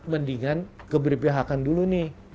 mendingan keberpihakan dulu nih